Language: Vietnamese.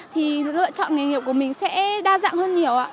thì lựa chọn nghề nghiệp của mình sẽ đa dạng hơn nhiều